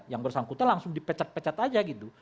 yang bersangkutan langsung dipecat pecat aja gitu